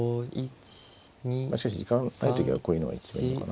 まあしかし時間ない時はこういうのが一番いいのかな。